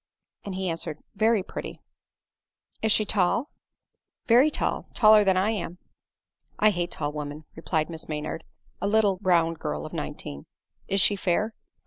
And he had answered, " Very pretty." 8* 86 ADELINE MOWBRAY. " Is she tall ?"" Very tall, taller than I am." " I hate tall women," replied Miss Maynard, (a little round girl of nineteen.) " Is she fair